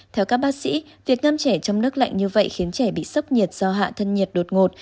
theo các bác sĩ việc ngâm trẻ trong nước lạnh như vậy khiến trẻ bị sốc nhiệt do hạ thân nhiệt đột ngột